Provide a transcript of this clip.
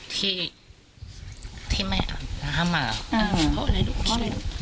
ที่ที่ไม่อาบน้ำมาอ่าเพราะอะไรรู้เพราะอะไรลูก